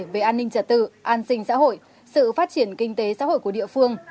về an ninh trật tự an sinh xã hội sự phát triển kinh tế xã hội của địa phương